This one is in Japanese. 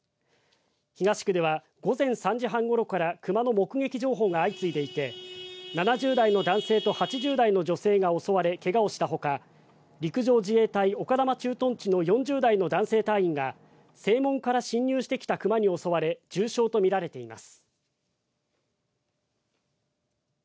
東区では午前３時半ごろから熊の目撃情報が相次いでいて７０代の男性と８０代の女性が襲われて怪我をしたほか陸上自衛隊丘珠駐屯地内の４０代の男性隊員が正門から進入してきた熊に襲われ重傷とみられています。